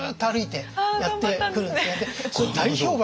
これ大評判